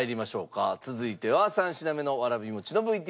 続いては３品目のわらび餅のＶＴＲです。